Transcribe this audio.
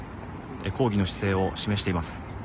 抗議の姿勢を示しています。